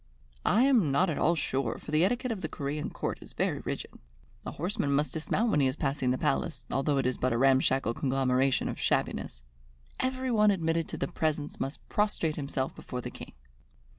"I am not at all sure, for the etiquette of the Corean Court is very rigid. A horseman must dismount when he is passing the Palace, although it is but a ramshackle conglomeration of shabbiness. Every one admitted to the Presence must prostrate himself before the King."